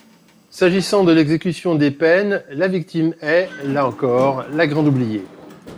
S’agissant de l’exécution des peines, la victime est, là encore, la grande oubliée.